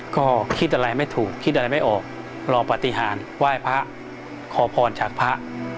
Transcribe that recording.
ก็คิดอะไรไม่ถูกคิดอะไรไม่ออกรอปฏิหารไหว้พระขอพรจากพระ